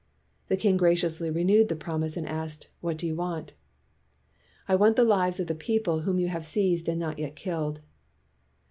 The king graciously renewed the promise and asked, "What do you want?" "I want the lives of the people whom you have seized and not yet killed."